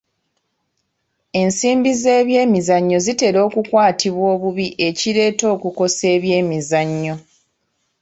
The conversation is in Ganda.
Ensimbi z'ebyemizannyo zitera okukwatibwa obubi ekireeta okukosa eby'emizannyo